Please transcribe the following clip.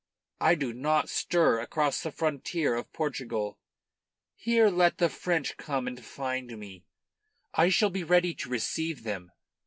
I do not stir across the frontier of Portugal. Here let the French come and find me, and I shall be ready to receive them.